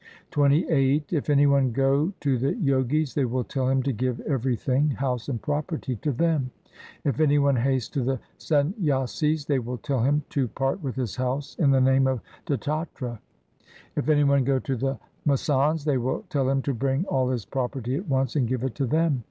XXVIII If any one go to the Jogis they will tell him to give every thing — house and property — to them ; If any one haste to the Sanyasis, they will tell him to part with his house in the name of Dattatre ; If any one go to the masands, they will tell him to bring all his property at once and give it to them.